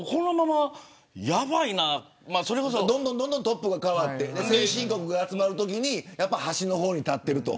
どんどん、どんどんトップが変わって先進国が集まるときに端の方に立っていると。